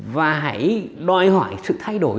và hãy đòi hỏi sự thay đổi